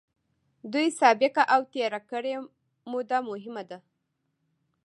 دوی سابقه او تېره کړې موده مهمه ده.